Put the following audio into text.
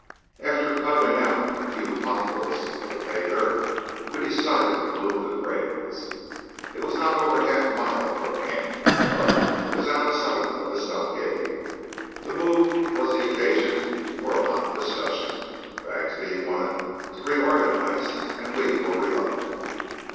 After "puddling out" a few potfuls of the pay dirt, we decided to move the cradles. It was not over a half mile from camp, but was out of sight of the stockade. The move was the occasion for a hot discussion. Bagsby wanted to reorganize, and we were reluctant.